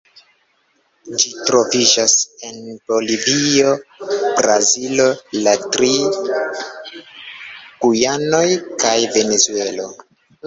Ĝi troviĝas en Bolivio, Brazilo, la tri Gujanoj kaj Venezuelo.